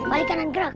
balik kanan gerak